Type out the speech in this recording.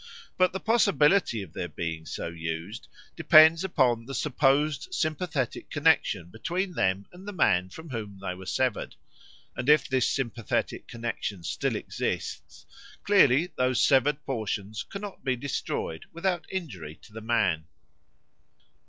But the possibility of their being so used depends upon the supposed sympathetic connexion between them and the man from whom they were severed. And if this sympathetic connexion still exists, clearly these severed portions cannot be destroyed without injury to the man.